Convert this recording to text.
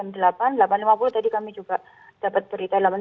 jam delapan delapan lima puluh tadi kami juga dapat berita